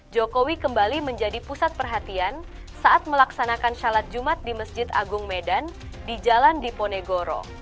jokowi kembali menjadi pusat perhatian saat melaksanakan sholat jumat di masjid agung medan di jalan diponegoro